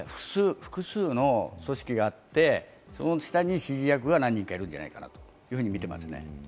複数の組織があって、その下に指示役が何人かいるんじゃないかなと見ていますね。